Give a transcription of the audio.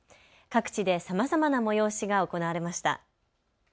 各地でさまざまな催しが行われました。